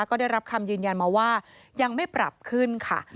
ก็ได้รับคำยืนยันมาว่ายังไม่ปรับขึ้นค่ะ